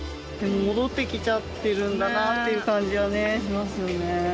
戻ってきちゃってるんだなっていう感じがしますよね。